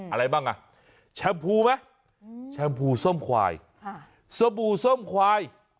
อะไรบ้างอ่ะแชมพูไหมแชมพูส้มควายสบู่ส้มควาย